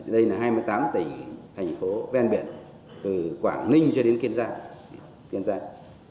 đây là hai mươi tám tỉnh thành phố ven biển từ quảng ninh cho đến kiên giang